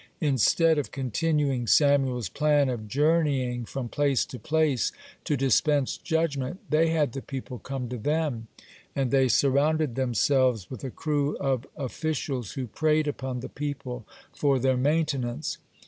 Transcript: Instead of continuing Samuel's plan of journeying from place to place to dispense judgment, they had the people come to them, and they surrounded themselves with a crew of officials who preyed upon the people for their maintenance.